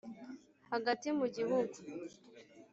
hagati mu gihugu